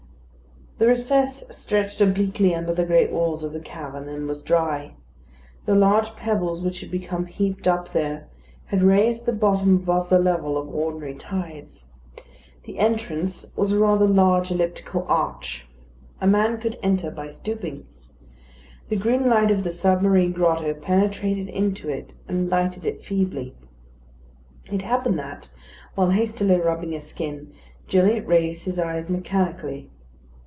This recess stretched obliquely under the great walls of the cavern, and was dry. The large pebbles which had become heaped up there had raised the bottom above the level of ordinary tides. The entrance was a rather large elliptical arch; a man could enter by stooping. The green light of the submarine grotto penetrated into it and lighted it feebly. It happened that, while hastily rubbing his skin, Gilliatt raised his eyes mechanically.